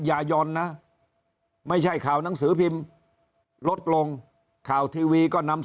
ยายนนะไม่ใช่ข่าวหนังสือพิมพ์ลดลงข่าวทีวีก็นำ